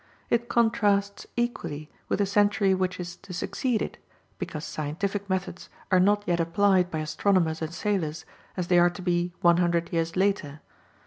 It contrasts equally with the century which is to succeed it, because scientific methods are not yet applied by astronomers and sailors, as they are to be 100 years later.